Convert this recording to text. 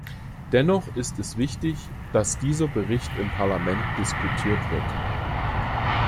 Dennoch ist es wichtig, dass dieser Bericht im Parlament diskutiert wird.